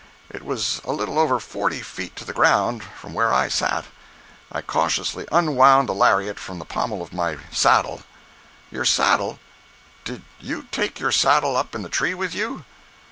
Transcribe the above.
It was a little over forty feet to the ground from where I sat. I cautiously unwound the lariat from the pommel of my saddle—" "Your saddle? Did you take your saddle up in the tree with you?"